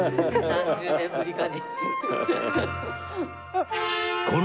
何十年ぶりかに。